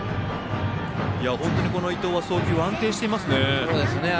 本当に、この伊藤は送球が安定していますね。